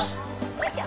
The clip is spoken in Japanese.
よいしょ！